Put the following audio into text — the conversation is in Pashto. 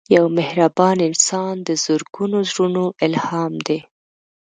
یو مهربان انسان د زرګونو زړونو الهام دی